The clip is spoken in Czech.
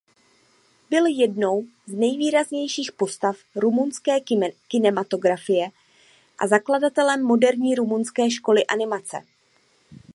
Byl jednou z nejvýraznějších postav rumunské kinematografie a zakladatelem moderní rumunské školy animace.